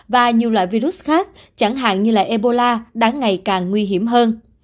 và nhiều loại virus khác chẳng hạn như ebola đang ngày càng nguy hiểm hơn